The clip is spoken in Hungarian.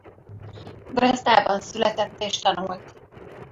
Drezdában született és tanult.